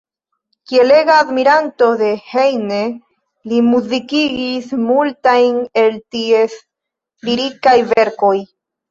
Kiel ega admiranto de Heine li muzikigis multajn el ties lirikaj verkoj.